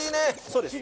そうです